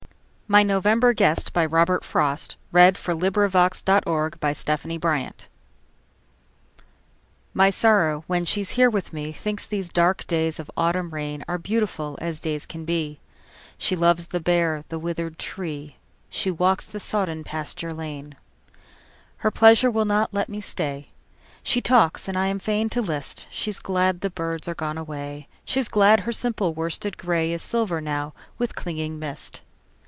BIBLIOGRAPHIC RECORD Robert Frost (1874–1963). A Boy's Will. 1915. 3. My November Guest MY Sorrow, when she's here with me, Thinks these dark days of autumn rainAre beautiful as days can be; She loves the bare, the withered tree; She walks the sodden pasture lane. Her pleasure will not let me stay. She talks and I am fain to list:She's glad the birds are gone away, She's glad her simple worsted grayIs silver now with clinging mist.